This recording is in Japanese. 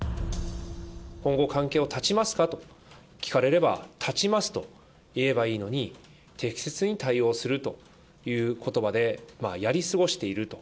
今後関係を断ちますかと聞かれれば、断ちますと言えばいいのに、適切に対応するということばでやり過ごしていると。